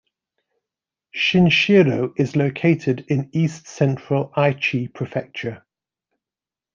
Shinshiro is located in east-central Aichi Prefecture.